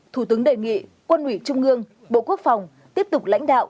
thủ tướng đề nghị quân ủy trung ương bộ quốc phòng tiếp tục lãnh đạo